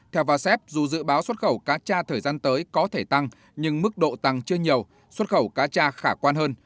theo vasep dù dự báo xuất khẩu cá cha thời gian tới có thể tăng nhưng mức độ tăng chưa nhiều xuất khẩu cá cha khả quan hơn